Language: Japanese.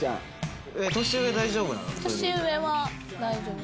年上は大丈夫。